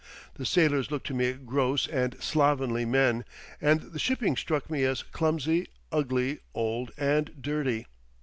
The sailors looked to me gross and slovenly men, and the shipping struck me as clumsy, ugly, old, and dirty.